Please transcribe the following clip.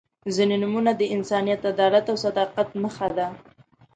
• ځینې نومونه د انسانیت، عدالت او صداقت نښه ده.